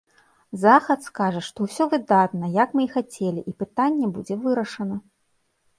Захад скажа, што ўсё выдатна, як мы і хацелі, і пытанне будзе вырашана.